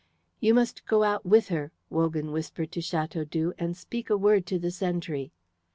"You must go out with her," Wogan whispered to Chateaudoux, "and speak a word to the sentry."